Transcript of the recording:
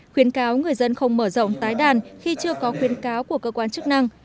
khuyến cáo người dân không mở rộng tái đàn khi chưa có khuyến cáo của cơ quan chức năng